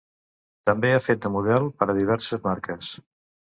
També ha fet de model per a diverses marques.